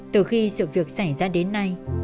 từ khi sự việc xảy ra đến nay